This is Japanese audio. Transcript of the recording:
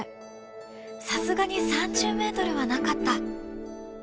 さすがに３０メートルはなかった。